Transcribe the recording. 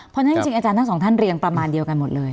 เพราะฉะนั้นจริงอาจารย์ทั้งสองท่านเรียงประมาณเดียวกันหมดเลย